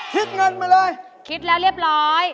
เงินมาเลยคิดแล้วเรียบร้อย